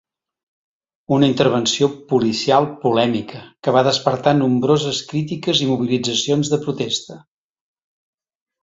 Una intervenció policial polèmica, que va despertar nombroses crítiques i mobilitzacions de protesta.